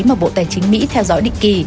mà bộ tài chính mỹ theo dõi định kỳ